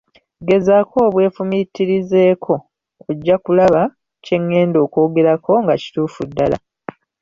Gezaako obwefumiitirizeeko ojja kulaba kye ngenda okwogerako nga kituufu ddala.